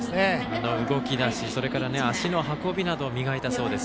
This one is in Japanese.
あの動き出し足の運びなどを磨いたそうです。